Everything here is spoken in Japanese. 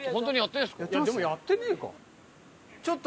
でもやってねえか？